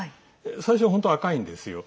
最初、本当赤いんですよ。